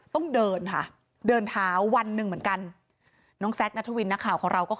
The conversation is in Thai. ต้องเดินค่ะ